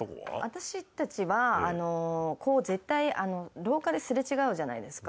私たちは絶対廊下ですれ違うじゃないですか。